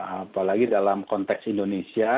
apalagi dalam konteks indonesia